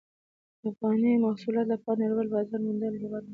د افغاني محصولاتو لپاره نړیوال بازار موندنه د هېواد د بډاینې لاره ده.